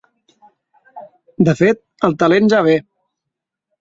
De fet, el talent ja ve.